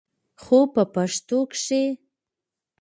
خو په پښتو کښې